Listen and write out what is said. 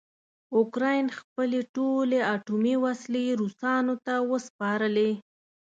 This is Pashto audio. اوکراین خپلې ټولې اټومي وسلې روسانو ته وسپارلې.